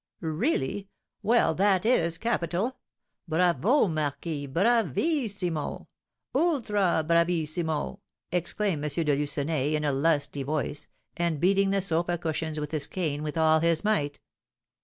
"Really! Well, that is capital! Bravo, marquis, bravissimo! ultra bravissimo!" exclaimed M. de Lucenay, in a lusty voice, and beating the sofa cushions with his cane with all his might.